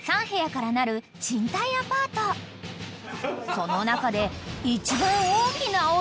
［その中で］